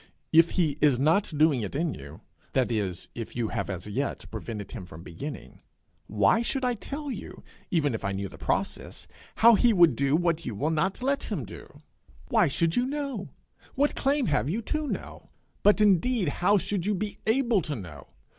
If he is not doing it in you that is, if you have as yet prevented him from beginning, why should I tell you, even if I knew the process, how he would do what you will not let him do? Why should you know? What claim have you to know? But indeed how should you be able to know?